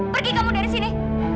pergi kamu dari sini